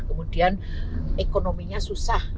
kemudian ekonominya susah